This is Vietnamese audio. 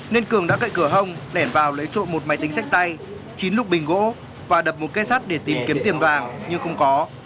nên cường đã cậy cửa hông lẻn vào lấy trộm một máy tính sách tay chín lục bình gỗ và đập một cây sắt để tìm kiếm tiền vàng nhưng không có